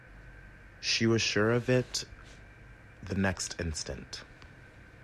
She was sure of it the next instant.